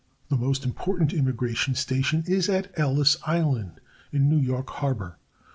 The most important immigration station is at Ellis Island, in New York Harbor.